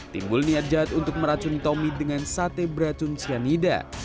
timbul niat jahat untuk meracuni tommy dengan satesyyanida